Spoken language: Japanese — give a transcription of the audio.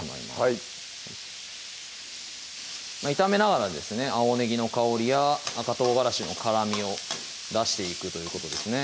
はい炒めながらですね青ねぎの香りや赤唐辛子の辛みを出していくということですね